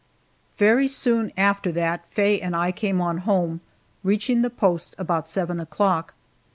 Very soon after that Faye and I came on home, reaching the post about seven o'clock.